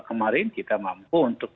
kemarin kita mampu untuk